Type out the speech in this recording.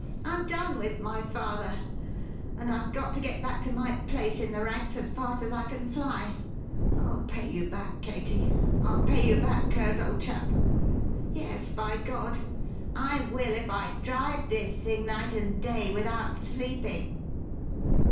I'm done with my father, and I've got to get back to my place in the ranks as fast as I can fly. I'll pay you back, Katie. I'll pay you back, Curz, old chap! Yes, by God! I will if I drive this thing night and day without sleeping!"